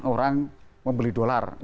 orang membeli dolar